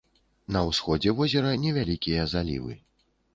На ўсходзе возера невялікія залівы.